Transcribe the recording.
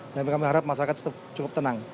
dan kami harap masyarakat tetap cukup tenang